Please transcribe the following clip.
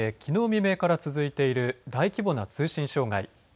未明から続いている大規模な通信障害。